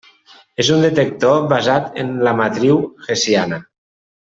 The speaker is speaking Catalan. És un detector basat en la matriu Hessiana.